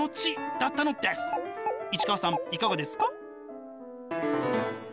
いかがですか？